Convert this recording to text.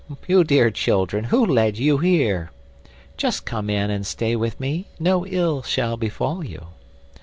you dear children, who led you here? Just come in and stay with me, no ill shall befall you."